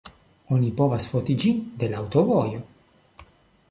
Oni povas foti ĝin de la aŭtovojo.